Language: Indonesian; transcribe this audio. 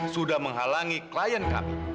sudah menghalangi klien kami